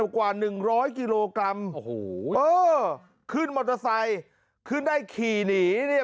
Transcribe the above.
กว่าหนึ่งร้อยกิโลกรัมโอ้โหเออขึ้นมอเตอร์ไซค์ขึ้นได้ขี่หนีเนี่ย